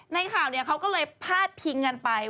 ในข่าวเขาก็เลยพาดพิงกันไป